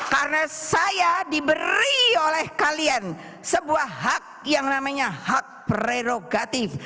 karena saya diberi oleh kalian sebuah hak yang namanya hak prerogatif